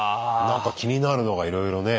なんか気になるのがいろいろね。